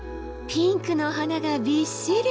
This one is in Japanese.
ピンクの花がびっしり！